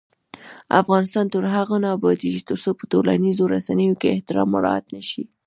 افغانستان تر هغو نه ابادیږي، ترڅو په ټولنیزو رسنیو کې احترام مراعت نشي.